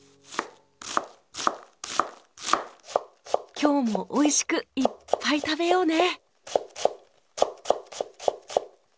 今日もおいしくいっぱい食べようね。